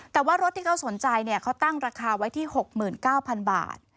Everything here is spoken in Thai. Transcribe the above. แต่ว่ารถที่เขาสนใจเขาตั้งราคาไว้ที่๖๙๐๐บาท